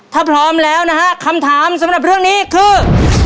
ถ้าพร้อมแล้วนะฮะคำถามสำหรับเรื่องนี้คือ